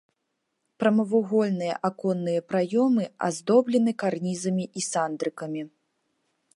Прамавугольныя аконныя праёмы аздоблены карнізамі і сандрыкамі.